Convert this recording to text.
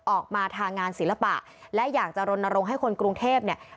ออกมาทางงานศิลปะและอยากจะรณรงค์ให้คนกรุงเทพเนี่ย